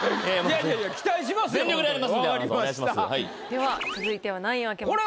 では続いては何位を開けますか？